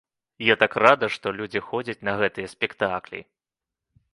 Я так рада, што людзі ходзяць на гэтыя спектаклі!